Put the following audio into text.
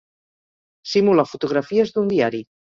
simula fotografies d'un diari